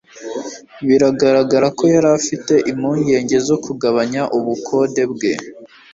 Biragaragara ko yari afite impungenge zo kugabanya ubukode bwe.